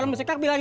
enggak pak haji